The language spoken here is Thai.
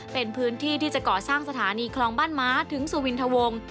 เป็นพื้นที่ที่จะก่อสร้างสถานีคลองบ้านม้าถึงสุวินทวง